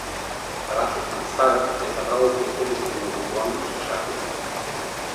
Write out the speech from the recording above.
Рачо Самсарът е събрал около себе си многобройни слушатели.